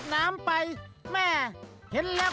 สวัสดีครับ